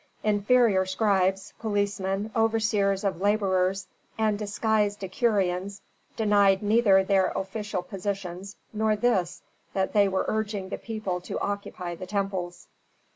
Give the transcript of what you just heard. Inferior scribes, policemen, overseers of laborers, and disguised decurions denied neither their official positions, nor this, that they were urging the people to occupy the temples.